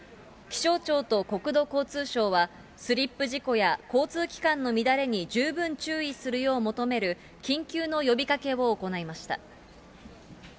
気象庁と国土交通省は、スリップ事故や交通機関の乱れに十分注意するよう求める、緊急の呼びかけを行いました。